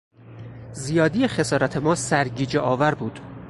زیادی خسارات ما سرگیجهآور بود.